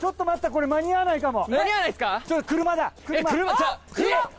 これ、間に合わないかも。